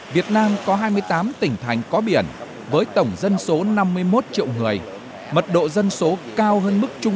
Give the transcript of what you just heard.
việt nam có hai mươi tám tỉnh thành có biển với tổng dân số năm mươi một triệu người mật độ dân số cao hơn mức trung